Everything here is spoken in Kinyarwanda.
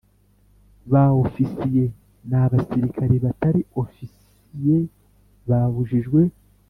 Ba Ofisiye n Abasirikare batari Ofisiye babujijwe